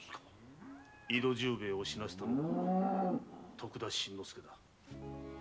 井戸重兵衛を死なせたのは徳田新之助だ。